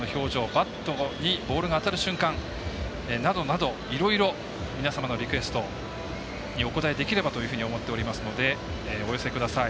バットにボールが当たる瞬間などなどいろいろ、皆さんのリクエストにお応えできればと思っておりますのでお寄せください。